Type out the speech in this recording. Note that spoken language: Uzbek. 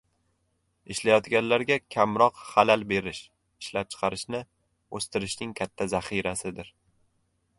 Ishlayotganlarga kamroq xalal berish — ishlab chiqarishni o‘stirishning katta zaxirasidir.